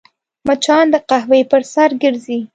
مچان د قهوې پر سر ګرځي